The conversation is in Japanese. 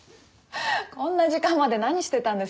こんな時間まで何してたんですか？